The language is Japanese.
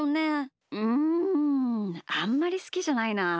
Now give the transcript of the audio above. うんあんまりすきじゃないな。